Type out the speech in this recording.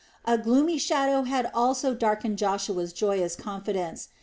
A gloomy shadow had also darkened Joshua's joyous confidence.